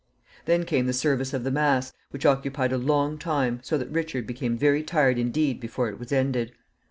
Then came the service of the mass, which occupied a long time, so that Richard became very tired indeed before it was ended.